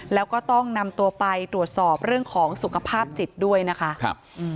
แล้วก็ต้องนำตัวไปตรวจสอบเรื่องของสุขภาพจิตด้วยนะคะครับอืม